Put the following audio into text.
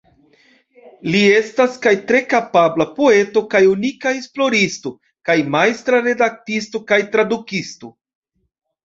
Li estas kaj tre kapabla poeto kaj unika esploristo, kaj majstra redaktisto kaj tradukisto.